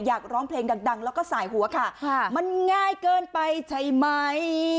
ร้องเพลงดังแล้วก็สายหัวค่ะมันง่ายเกินไปใช่ไหม